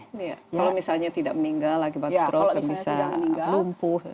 kalau misalnya tidak meninggal akibat stroke bisa lumpuh